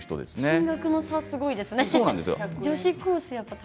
金額の差がすごいですね。